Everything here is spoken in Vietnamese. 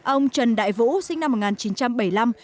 ông trần đại vũ sinh năm một nghìn chín trăm bảy mươi năm